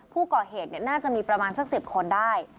ผู้ก่อเหตุน่าจะมีประมาณสัก๑๐คนได้